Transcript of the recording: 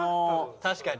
確かに。